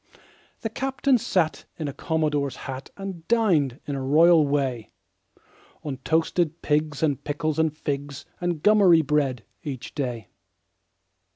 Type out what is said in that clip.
The captain sat in a commodore's hat And dined, in a royal way, On toasted pigs and pickles and figs And gummery bread, each day.